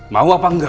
mau apa enggak